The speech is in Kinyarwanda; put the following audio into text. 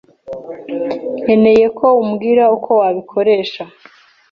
Nkeneye ko umbwira uko wabikoresha.